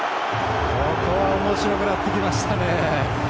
ここはおもしろくなってきましたね。